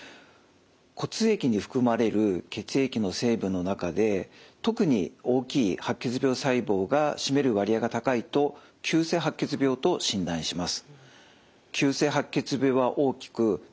骨液に含まれる血液の成分の中で特に大きい白血病細胞が占める割合が高いと急性白血病と診断します。